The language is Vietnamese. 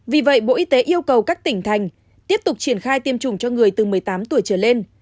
vì vậy bộ y tế yêu cầu các tỉnh thành tiếp tục triển khai tiêm chủng cho người từ một mươi tám tuổi trở lên